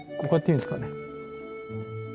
こうやっていいんですかね。